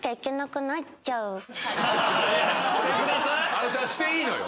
あのちゃんしていいのよ。